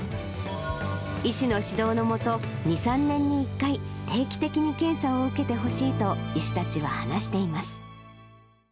医師の指導の下、２、３年に１回、定期的に検査を受けてほしいと医師たちは話しています。